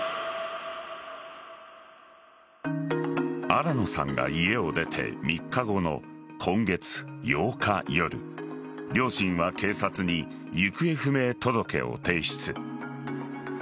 新野さんが家を出て３日後の今月８日夜両親は警察に行方不明届を提出。